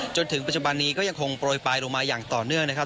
จนถึงปัจจุบันนี้ก็ยังคงโปรยปลายลงมาอย่างต่อเนื่องนะครับ